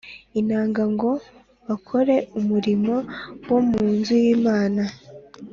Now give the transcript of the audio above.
inanga ngo bakore umurimo wo mu nzu y Imana